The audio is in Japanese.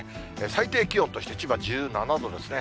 最低気温として千葉１７度ですね。